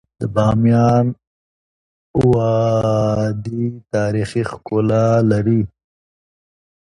د بامیان وادی تاریخي ښکلا لري.